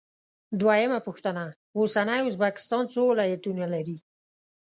دویمه پوښتنه: اوسنی ازبکستان څو ولایتونه لري؟